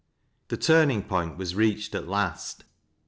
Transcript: The turning point was reached at last.